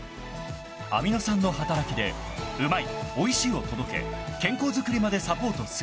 ［アミノ酸の働きでうまいおいしいを届け健康づくりまでサポートする］